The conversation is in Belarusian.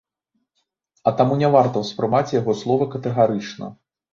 А таму, не варта ўспрымаць яго словы катэгарычна!